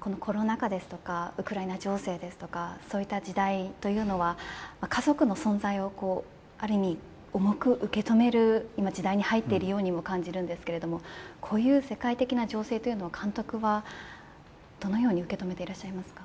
このコロナ禍ですとかウクライナ情勢ですとかそういった時代というのは家族の存在をある意味、重く受け止める時代に入っているようにも感じるんですけどこういう世界的な情勢というのを監督はどのように受け止めていらっしゃいますか。